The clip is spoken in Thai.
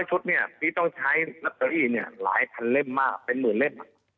๕๐๐ชุดพีชต้องใช้หนักตัวอี้เนี่ยหลายพันเล่มมากเป็นหมื่นเล่ม